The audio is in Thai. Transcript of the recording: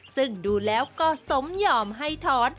ซึ่งดูแล้วก็สมยอมให้ถอน